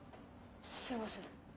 すいません。